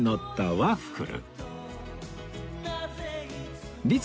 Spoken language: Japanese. ワッフル？